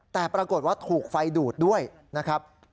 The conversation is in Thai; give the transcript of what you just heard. แต่ปรากฏว่าถูกไฟดูดด้วยนะครับ